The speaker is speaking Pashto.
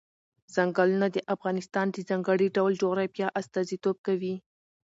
ځنګلونه د افغانستان د ځانګړي ډول جغرافیه استازیتوب کوي.